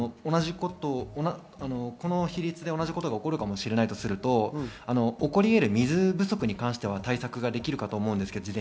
その数値がこの比率で同じことが起こるかもしれないとすると、起こり得る水不足に関しては対策ができると思います。